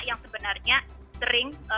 yang sebenarnya sering